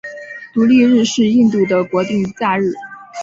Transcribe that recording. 独立日是印度的国定假日。